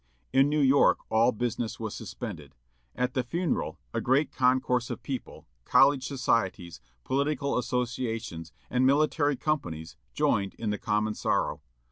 In New York all business was suspended. At the funeral, a great concourse of people, college societies, political associations, and military companies, joined in the common sorrow.